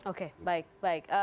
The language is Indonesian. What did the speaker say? oke baik baik